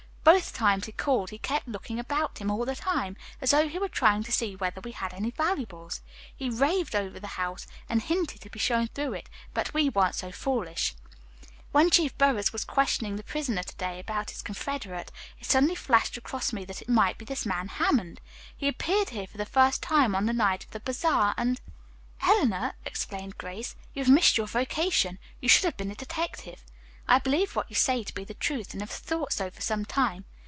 Both times he called he kept looking about him all the time, as though he were trying to see whether we had any valuables. He raved over the house, and hinted to be shown through it, but we weren't so foolish. "When Chief Burroughs was questioning the prisoner to day about his confederate, it suddenly flashed across me that it might be this man Hammond. He appeared here for the first time on the night of the bazaar and " "Eleanor," exclaimed Grace, "you've missed your vocation. You should have been a detective. I believe what you say to be the truth and have thought so for some time.